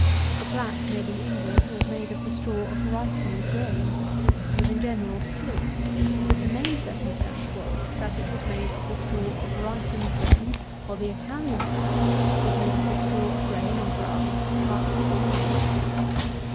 The plat made in England was made of the straw of ripened grain. It was, in general, split; but the main circumstance was, that it was made of the straw of ripened grain; while the Italian plat was made of the straw of grain, or grass, cut green.